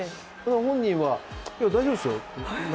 本人は、大丈夫ですよって。